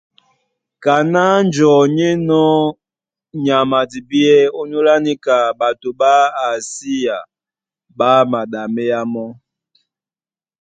Kaná njɔu ní enɔ́ nyama a dibíɛ́, ónyólá níka ɓato ɓá Asia ɓá maɗaméá mɔ́.